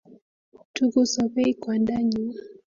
Tukusobei kwandanyu